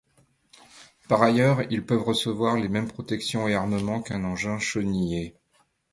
Par ailleurs, ils peuvent recevoir les mêmes protections et armement qu'un engin chenillé.